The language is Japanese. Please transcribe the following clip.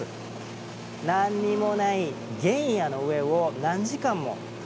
何にもない原野の上を何時間も飛び続けます。